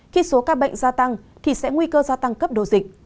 khi số ca bệnh gia tăng thì sẽ nguy cơ gia tăng cấp độ dịch